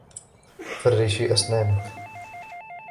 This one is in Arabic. فرشي أسنانك.